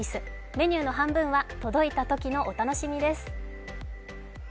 メニューの半分は届いたときのお楽しみです。